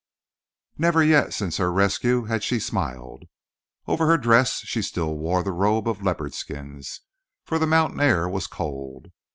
Never yet since her rescue had she smiled. Over her dress she still wore the robe of leopard skins, for the mountain air was cold.